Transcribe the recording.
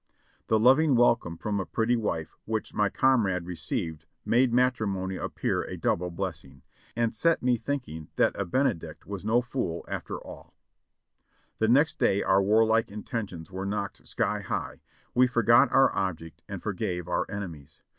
The loving welcome from a pretty wife which my comrade re ceived made matrimony appear a double blessing, and set me thinking that a benedict was no fool after all. 39 6lO JOHNNY REB AND BII.LY YANK The next day our warlike intentions were knocked sky high; we forgot our object, we forgave our enemies.